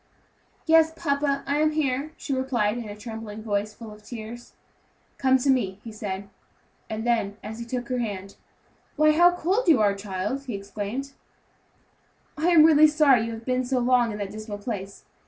"Yes, papa, I am here," she replied in a trembling voice, full of tears. "Come to me," he said; and then, as he took her hand, "Why, how cold you are, child," he exclaimed; "I am really sorry you have been so long in that dismal place.